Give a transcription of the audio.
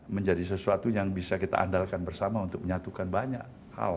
menjadi sesuatu yang bisa kita andalkan bersama untuk menyatukan banyak hal